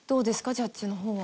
ジャッジの方は。